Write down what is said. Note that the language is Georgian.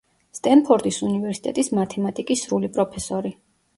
სტენფორდის უნივერსიტეტის მათემატიკის სრული პროფესორი.